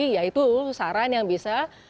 yaitu saran yang bisa